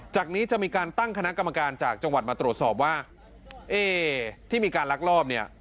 จากนี้จะมีการตั้งคณะกรรมการจากจังหวัดมาตรวจสอบว่าเอ๊ที่มีการลักลอบเนี่ย